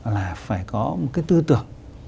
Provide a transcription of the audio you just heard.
là phải có một cái tư tưởng